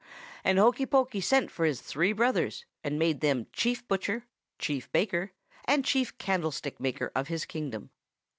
"And Hokey Pokey sent for his three brothers, and made them Chief Butcher, Chief Baker, and Chief Candlestick maker of his kingdom.